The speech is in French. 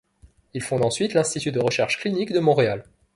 Il fonde ensuite l'Institut de recherches cliniques de Montréal.